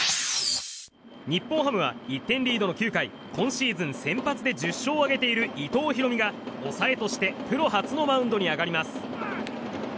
日本ハムは１点リードの９回今シーズン先発で１０勝を挙げている伊藤大海が抑えとしてプロ初のマウンドに上がります。